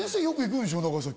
よく行くんでしょ？